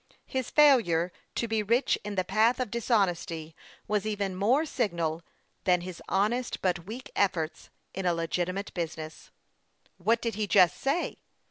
His failure to be rich in the path of dishonesty was even more signal than his honest but weak efforts in a legitimate business. " What did he just say